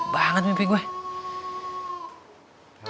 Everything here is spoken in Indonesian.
kamu benar benar tidak mencintaiku